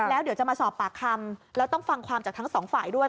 แล้วเดี๋ยวจะมาสอบปากคำแล้วต้องฟังความจากทั้งสองฝ่ายด้วย